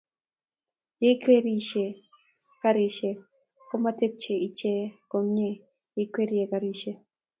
yoikwerie iche karishek komatepche iche komnyei kikwerie karishek